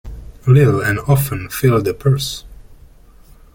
Little and often fill the purse.